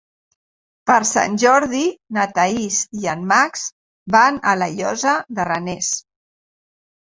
Per Sant Jordi na Thaís i en Max van a la Llosa de Ranes.